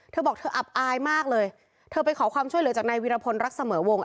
เธอบอกเธออับอายมากเลยเธอไปขอความช่วยเหลือจากนายวิรพลรักเสมอวง